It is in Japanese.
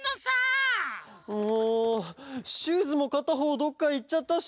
もうシューズもかたほうどっかいっちゃったし。